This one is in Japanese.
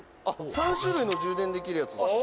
「３種類の充電できるやつです」